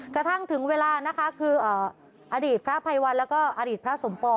กระทั่งถึงเวลานะคะคืออดีตพระภัยวันแล้วก็อดีตพระสมปอง